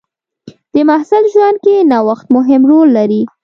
د محصل ژوند کې نوښت مهم رول لري.